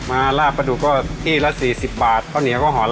มาร่าประดูกก็ที่ละสี่สิบบาทข้าวเหนียวก็ห่อละ๕